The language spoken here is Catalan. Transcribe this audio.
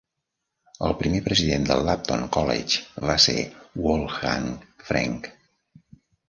El primer president del Lambton College va ser Wolfgang Franke.